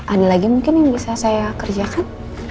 ada lagi mungkin yang bisa saya kerjakan